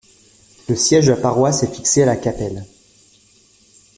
Le siège de la paroisse est fixé à La Capelle.